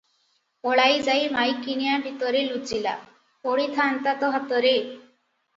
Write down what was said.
ପଳାଇଯାଇ ମାଈକିନିଆ ଭିତରେ ଲୁଚିଲା, ପଡ଼ିଥାଆନ୍ତା ତ ହାତରେ!